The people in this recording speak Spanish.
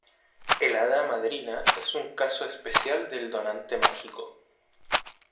El Hada madrina es un caso especial del donante mágico.